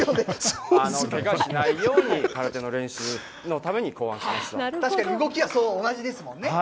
けがしないように、空手の練確かに動きは同じですもんね。